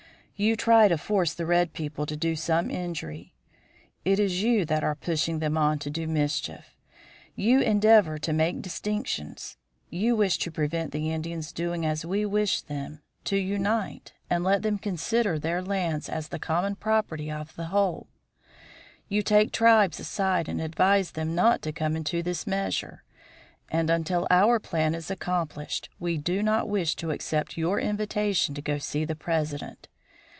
You try to force the red people to do some injury. It is you that are pushing them on to do mischief. You endeavor to make distinctions. You wish to prevent the Indians doing as we wish them to unite, and let them consider their lands as the common property of the whole; you take tribes aside and advise them not to come into this measure; and until our plan is accomplished we do not wish to accept your invitation to go to see the President.